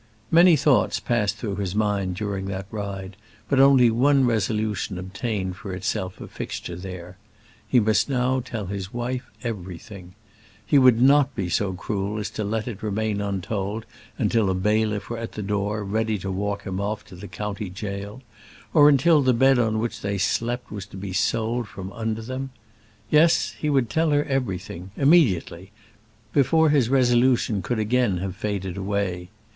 Many thoughts passed through his mind during that ride, but only one resolution obtained for itself a fixture there. He must now tell his wife everything. He would not be so cruel as to let it remain untold until a bailiff were at the door, ready to walk him off to the county gaol, or until the bed on which they slept was to be sold from under them. Yes, he would tell her everything, immediately, before his resolution could again have faded away.